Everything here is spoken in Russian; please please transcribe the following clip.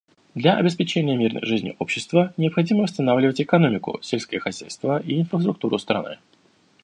Для обеспечения мирной жизни общества необходимо восстанавливать экономику, сельское хозяйство и инфраструктуру страны.